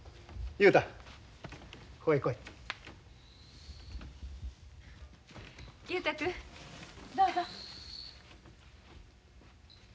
雄太君どうぞ。